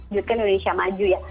jut kan indonesia maju